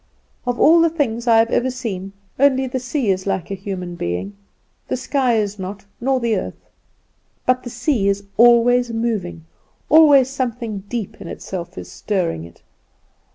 Of all the things I have ever seen, only the sea is like a human being; the sky is not, nor the earth. But the sea is always moving, always something deep in itself is stirring it.